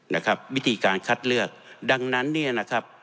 นะครับวิธีการคัดเลือกดังนั้นเนี่ยนะครับ